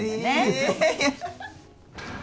・え！